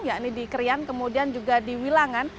yakni di krian kemudian juga di wilangan